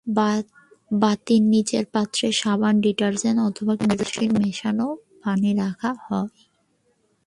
বাতির নিচে পাত্রে সাবান, ডিটারজেন্ট অথবা কেরোসিন মেশানো পানি রাখা হয়।